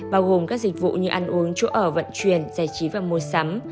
bao gồm các dịch vụ như ăn uống chỗ ở vận chuyển giải trí và mua sắm